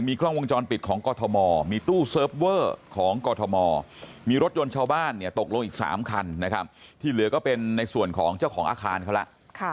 มีรถยนต์ชาวบ้านตกลงอีก๓คันนะครับที่เหลือก็เป็นในส่วนของเจ้าของอาคารเขาแล้ว